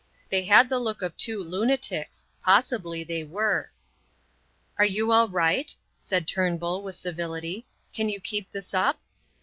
They had the look of two lunatics, possibly they were. "Are you all right?" said Turnbull, with civility. "Can you keep this up?"